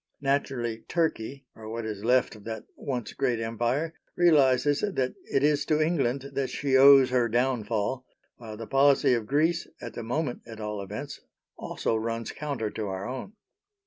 Naturally, Turkey or what is left of that once great Empire realises that it is to England that she owes her downfall, while the policy of Greece, at the moment at all events, also runs counter to our own.